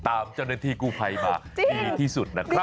ตามจนเดี๋ยวที่กูภัยมาดีที่สุดนะครับ